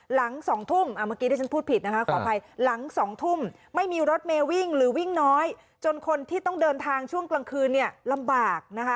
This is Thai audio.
หลัง๒ทุ่มไม่มีรถเมล์วิ่งหรือวิ่งน้อยจนคนที่ต้องเดินทางช่วงกลางคืนลำบาก